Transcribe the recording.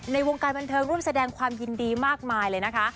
ในวงการบันเทิงร่วมแสดงความยินดีมากมายเลยนะคะ